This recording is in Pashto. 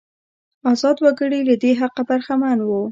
ازاد وګړي له دې حقه برخمن وو.